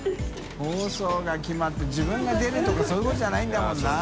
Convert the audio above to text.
１,茲泙辰自分が出るとかそういうことじゃないんだもんな修